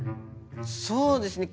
そうですね。